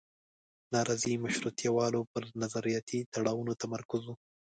نارضي مشروطیه والو پر نظریاتي تړاوونو تمرکز و.